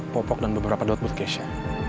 popok dan beberapa dotbud keisha